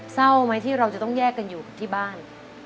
เศร้าไหมที่เราจะต้องแยกกันอยู่ที่บ้าน